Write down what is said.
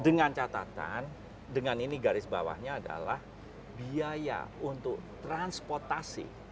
dengan catatan dengan ini garis bawahnya adalah biaya untuk transportasi